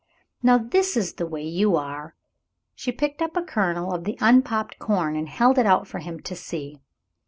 Now this is the way you are." She picked up a kernel of the unpopped corn, and held it out for him to see.